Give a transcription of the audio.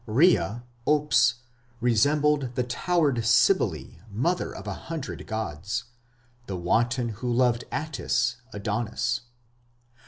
Rhea (Ops) resembled The tow'red Cybele, Mother of a hundred gods, the wanton who loved Attis (Adonis).